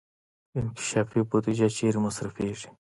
انکشافي بودجه چیرته مصرفیږي؟